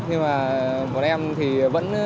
nhưng mà bọn em thì vẫn